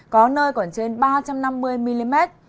có nơi còn trên ba trăm năm mươi mm